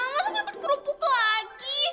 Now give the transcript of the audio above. masalah ngambil kerupuk lagi